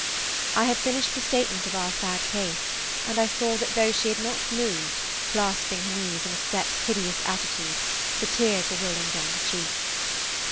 I had finished the statement of our sad case, and I saw that though she had not moved, clasping her knees in a set, hideous attitude, the tears were rolling down her cheeks.